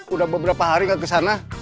udah beberapa hari gak kesana